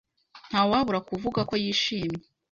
Ntawabura kuvuga ko yishimye.